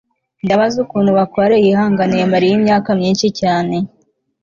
ndabaza ukuntu bakware yihanganiye mariya imyaka myinshi cyane